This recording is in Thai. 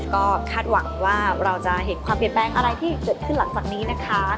ก็คาดหวังว่าเราจะเห็นความเปลี่ยนแปลงอะไรที่เกิดขึ้นหลังจากนี้นะคะ